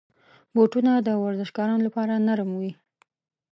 بوټونه د ورزشکارانو لپاره نرم وي.